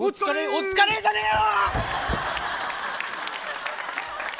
お疲れじゃねえよ。